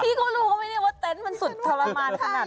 พี่ก็รู้กว่าไหนว่าเตนท์มันสุดทรมานขนาด